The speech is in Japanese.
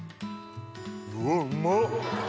うわうまっ！